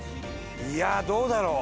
いやあどうだろう？